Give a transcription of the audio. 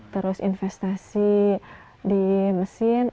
terus investasi di mesin